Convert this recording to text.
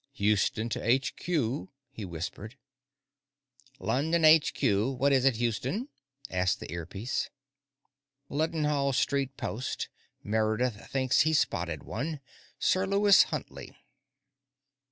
"Houston to HQ," he whispered. "London HQ; what is it, Houston?" asked the earpiece. "Leadenhall Street Post. Meredith thinks he's spotted one. Sir Lewis Huntley."